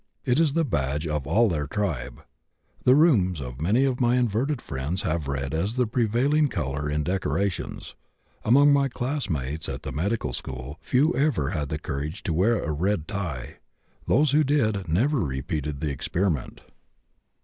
It is the badge of all their tribe. The rooms of many of my inverted friends have red as the prevailing color in decorations. Among my classmates, at the medical school, few ever had the courage to wear a red tie; those who did never repeated the experiment."